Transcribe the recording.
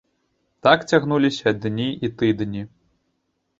Так цягнуліся дні і тыдні.